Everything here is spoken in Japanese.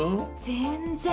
全然。